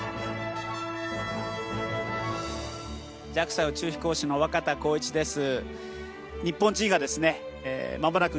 ＪＡＸＡ宇宙飛行士の若田光一です。